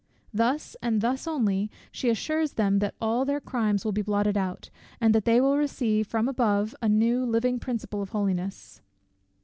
Thus, and thus only, she assures them that all their crimes will be blotted out, and that they will receive from above a new living principle of holiness.